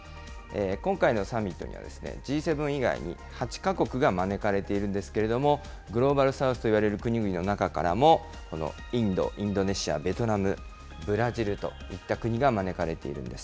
今回のサミットにはＧ７以外に８か国が招かれているんですけれども、グローバル・サウスといわれる国々の中からも、このインド、インドネシア、ベトナム、ブラジルといった国が招かれているんです。